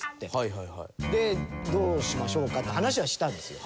でどうしましょうか？って話はしたんですよ。